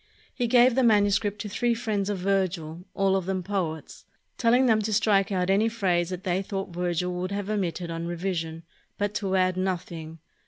He gave the manuscript to three friends of Virgil, all of them poets, telling them to strike out any phrase that they thought Virgil would have omitted on revision, but to add noth ing.